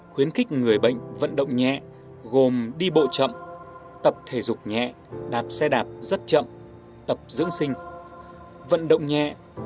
khuyến khích người bệnh vận động nhẹ gồm đi bộ chậm tập thể dục nhẹ đạp xe đạp rất chậm tập dưỡng sinh vận động nhẹ